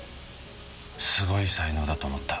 すごい才能だと思った。